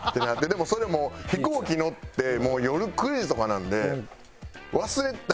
でもそれ飛行機乗ってもう夜９時とかなんで「忘れてた」